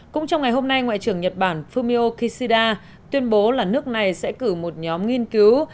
cũng trong ngày hôm nay ngoại trưởng nhật bản fumio kishida tuyên bố là nước này sẽ cử một nhóm nghiên cứu